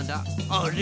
あれ？